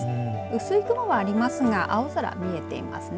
薄い雲はありますが青空、見えていますね。